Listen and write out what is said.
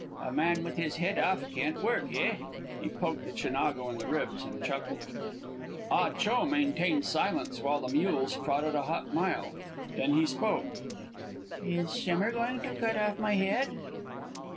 A man with his head off can't work, eh?" He poked the Chinago in the ribs, and chuckled. Ah Cho maintained silence while the mules trotted a hot mile. Then he spoke: "Is Schemmer going to cut off my head?"